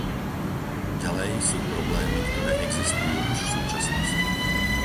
Ďalej, sú problémy, ktoré existujú už v súčasnosti.